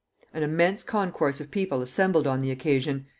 An immense concourse of people assembled on the occasion.